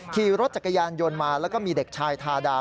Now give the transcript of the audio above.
ขี่รถจักรยานยนต์มาแล้วก็มีเด็กชายทาดา